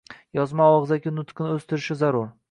yozma va og‘zaki nutqini o‘stirishi zarur.